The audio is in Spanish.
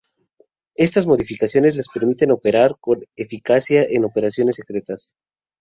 Estas modificaciones les permiten operar con eficacia en operaciones secretas.